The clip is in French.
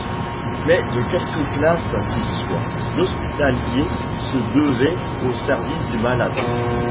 Mais de quelque classe qu'il soit, l'Hospitalier se devait au service du malade.